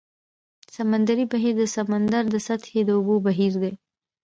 سمندري بهیر د سمندر د سطحې د اوبو بهیر دی.